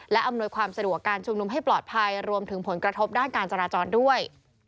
และอำนวยความสะดวกการชุมนุมให้ปลอดภัยรวมถึงผลกระทบด้านการจราจรด้วย